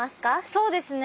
そうですね